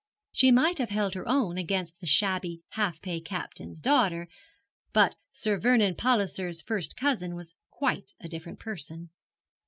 She might have held her own against the shabby half pay captain's daughter, but Sir Vernon Palliser's first cousin was quite a different person.